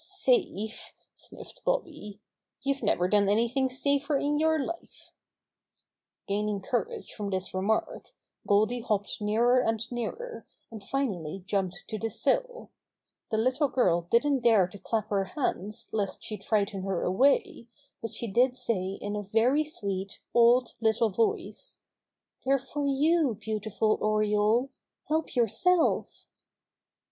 "Safe 1" sniffed Bobby. "YouVe never done anything safer in your life." 57 58 Bobby Gray Squirrel's Adventurer Gaining courage from this remark, Goldy hopped nearer and nearer, and finally jumped to the sill. The little girl didn't dare to clap her hands lest she'd frighten her away, but she did say in a very sweet, awed little voice : "They're for you, beautiful Oriole! Help yourself!"